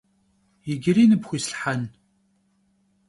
Yicıri nıpxuislhhen?